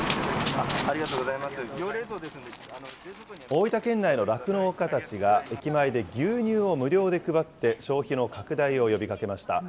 大分県内の酪農家たちが、駅前で牛乳を無料で配って、消費の拡大を呼びかけました。